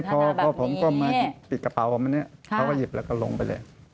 แต่ปิดกระเป๋าออกมานะเท่านี้เขาก็หยิบแล้วลงไป